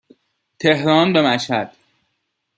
تهران به مشهد